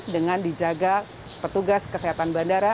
dengan dijaga petugas kesehatan bandara